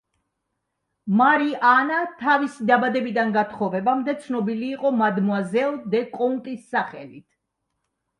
მარი ანა თავისი დაბადებიდან გათხოვებამდე, ცნობილი იყო მადმუაზელ დე კონტის სახელით.